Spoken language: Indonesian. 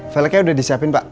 veleknya udah disiapin pak